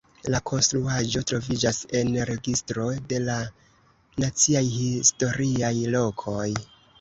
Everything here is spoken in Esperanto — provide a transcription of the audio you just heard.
La konstruaĵo troviĝas en registro de la Naciaj Historiaj Lokoj.